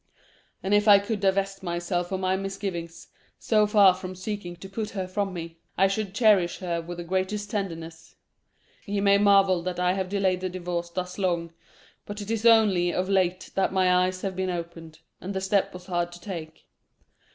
And if I could divest myself of my misgivings, so far from seeking to put her from me, I should cherish her with the greatest tenderness. Ye may marvel that I have delayed the divorce thus long. But it is only of late that my eyes have been opened; and the step was hard to take.